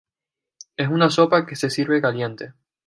Es una sopa que se sirve caliente.